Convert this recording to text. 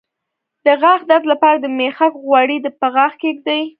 د غاښ درد لپاره د میخک غوړي په غاښ کیږدئ